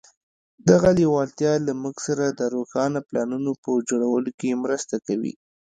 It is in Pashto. دغه لېوالتیا له موږ سره د روښانه پلانونو په جوړولو کې مرسته کوي.